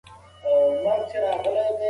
معلومات باید په سمه توګه وویشل سي.